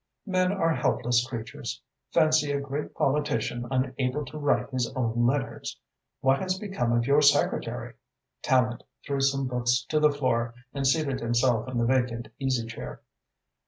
"Men are helpless creatures! Fancy a great politician unable to write his own letters! What has become of your secretary?" Tallente threw some books to the floor and seated himself in the vacant easy chair.